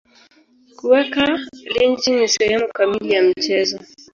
Kuweka lynching ni sehemu kamili ya mchezo.